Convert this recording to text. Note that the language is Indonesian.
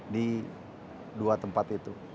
di dua tempat itu